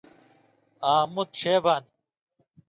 آں مُت شے بانیۡ